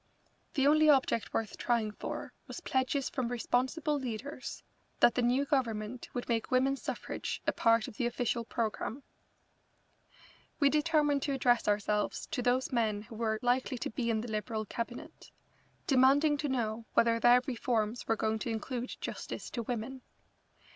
The only object worth trying for was pledges from responsible leaders that the new Government would make women's suffrage a part of the official programme. We determined to address ourselves to those men who were likely to be in the Liberal Cabinet, demanding to know whether their reforms were going to include justice to women.